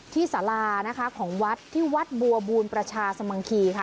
สารานะคะของวัดที่วัดบัวบูรประชาสมังคีค่ะ